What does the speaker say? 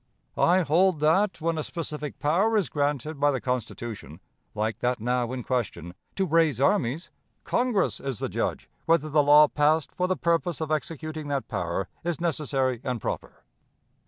"I hold that, when a specific power is granted by the Constitution, like that now in question, 'to raise armies,' Congress is the judge whether the law passed for the purpose of executing that power is 'necessary and proper.'